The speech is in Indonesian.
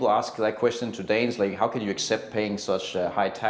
bagaimana anda bisa menerima uang uang yang tinggi seperti itu